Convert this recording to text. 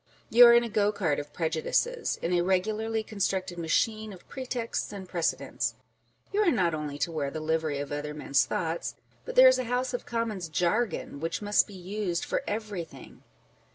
You are in a go cart of prejudices, in a regularly constructed machine of pretexts and precedents ; you are not only to wear the livery of other men's thoughts, but there is a House of Commons jargon which must be used for every thing.